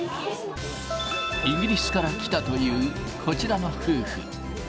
イギリスから来たというこちらの夫婦。